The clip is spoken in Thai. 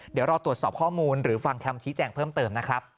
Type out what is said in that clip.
เดี๋ยวรอตรวจสอบข้อมูลหรือฟังคำชี้แจงเพิ่มเติมนะครับ